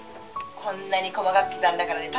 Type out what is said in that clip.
こんなに細かく刻んだからね